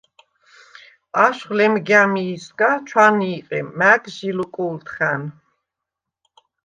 აშხვ ლემგა̈მი̄სგა ჩვანი̄ყე მა̈გ ჟი ლუკუ̄ლთხა̈ნ.